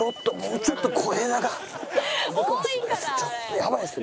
ちょっとやばいですね。